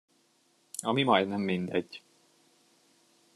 Ami majdnem mindegy.